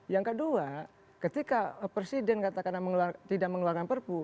yang kedua ketika presiden katakan tidak mengeluarkan perpu